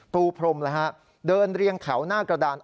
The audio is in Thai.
ปูพรมเดินเรียงแถวหน้ากระดาน